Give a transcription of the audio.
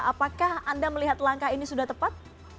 apakah anda melihat langkah ini sudah tepat